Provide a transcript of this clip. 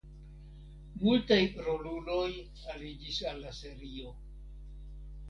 Multaj roluloj aliĝis al la serio.